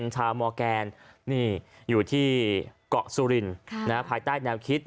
ชาวมอร์แกนนี่อยู่ที่เกาะสุรินภายใต้แนวคิด